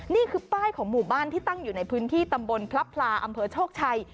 นี่คือป้ายของหมู่บ้านที่ตั้งอยู่ในพื้นที่ตำบลพลับพลาอำเภอโชคชัย